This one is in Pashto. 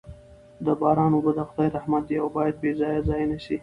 د باران اوبه د خدای رحمت دی او باید بې ځایه ضایع نه سي.